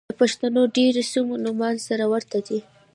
د پښتنو د ډېرو سيمو نومان سره ورته دي.